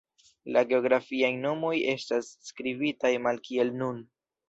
La geografiaj nomoj estas skribitaj malkiel nun.